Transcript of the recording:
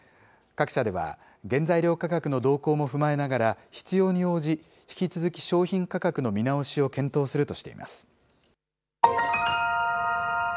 各社では、原材料価格の動向も踏まえながら、必要に応じ、引き続き商品価格の見直しを検討するとしています。